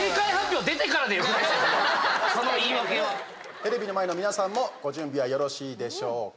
テレビの前の皆さんもご準備はよろしいでしょうか。